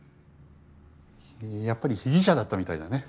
やっぱり被疑者だったみたいだね。